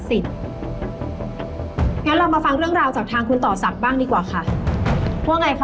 สนุกสนุกสนุกสนุกสนุกสนุก